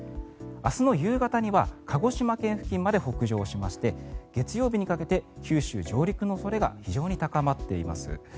明日の夕方には鹿児島県付近まで北上しまして月曜日にかけて九州上陸の恐れが非常に高まっています。